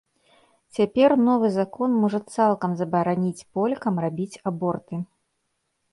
Цяпер новы закон можа цалкам забараніць полькам рабіць аборты.